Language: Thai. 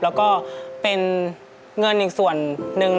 แล้วก็เป็นเงินอีกส่วนหนึ่ง